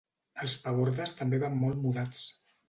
Els Pabordes també van molt mudats.